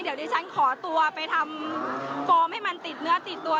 เดี๋ยวดิฉันขอตัวไปทำฟอร์มให้มันติดเนื้อติดตัว